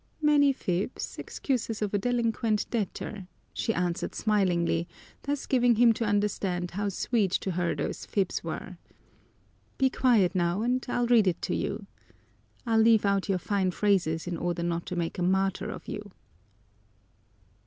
"Many fibs, excuses of a delinquent debtor," she answered smilingly, thus giving him to understand how sweet to her those fibs were. "Be quiet now and I'll read it to you. I'll leave out your fine phrases in order not to make a martyr of you."